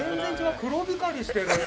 黒光りしてる！